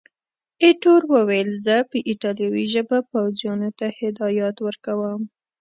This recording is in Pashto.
ایټور وویل، زه په ایټالوي ژبه پوځیانو ته هدایات ورکوم.